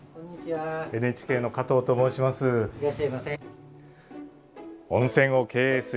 ＮＨＫの加藤と申します。